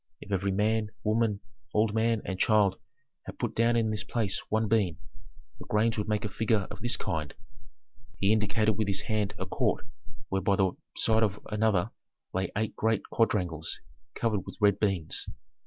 If every man, woman, old man, and child had put down in this place one bean, the grains would make a figure of this kind." He indicated with his hand a court where one by the side of another lay eight great quadrangles covered with red beans.